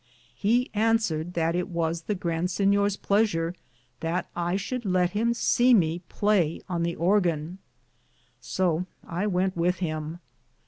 He answered that it was the Grand Sinyore's pleasur that I should lett him se me playe on the orgon. So I wente with him.